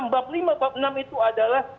bab lima bab enam itu adalah